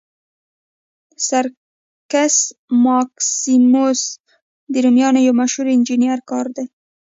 سرکس ماکسیموس د رومیانو یو مشهور انجنیري کار دی.